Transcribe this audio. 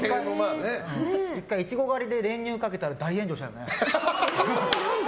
イチゴ狩りで練乳かけたら大炎上したよね。